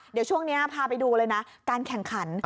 เดี๋ยวช่วงนี้พาไปดูเลยนะการแข่งขัน